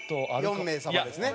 ４名様ですね。